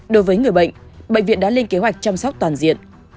đối với người bệnh bệnh viện đã lên kế hoạch chăm sóc toàn diện